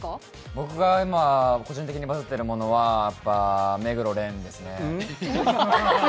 僕が個人的にバズっているものは目黒蓮ですね。